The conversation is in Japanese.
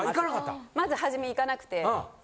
まずはじめ行かなくて。